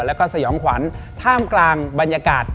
แล้วก็สยองขวัญท่ามกลางบรรยากาศ